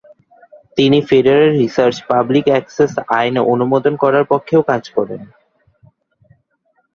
তিনি federal research public access আইন অনুমোদন করার পক্ষেও কাজ করেন।